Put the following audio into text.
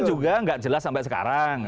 itu juga nggak jelas sampai sekarang